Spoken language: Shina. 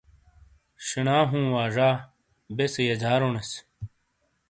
شینا ہوں وا زا بیسے یجارونیس۔